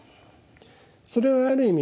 それはある意味